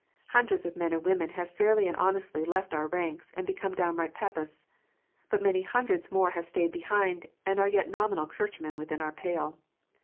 Hundreds of men and women have fairly and honestly left our ranks, and become downright Papists. But many hundreds more have stayed behind, and are yet nominal Churchmen within our pale.